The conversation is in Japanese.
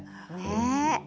ねえ。